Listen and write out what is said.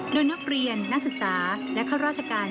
โดยนักเรียนนักศึกษาและข้าราชการ